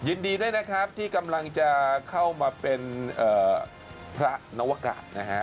ยินดีด้วยนะครับที่กำลังจะเข้ามาเป็นพระนวกะนะฮะ